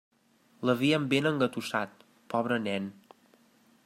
L'havien ben engatussat, pobre nen.